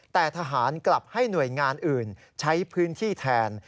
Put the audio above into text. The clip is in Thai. แต่ทหารกลับให้หน่วยงานอื่นใช้พื้นที่แทน